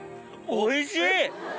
おいしい！